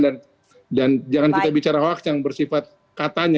dan jangan kita bicara waksy yang bersifat katanya